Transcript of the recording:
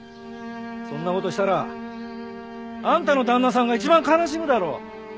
そんな事したらあんたの旦那さんが一番悲しむだろ！